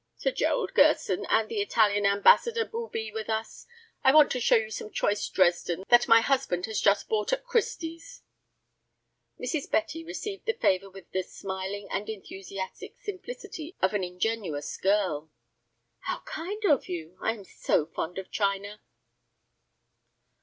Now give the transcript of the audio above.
"Sir Gerald Gerson and the Italian ambassador will be with us. I want to show you some choice Dresden that my husband has just bought at Christie's." Mrs. Betty received the favor with the smiling and enthusiastic simplicity of an ingenuous girl. "How kind of you! I am so fond of china."